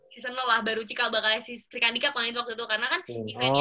season lah baru cika bakal srikandikap main waktu itu karena kan eventnya pertama